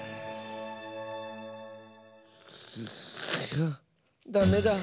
ぐダメだ。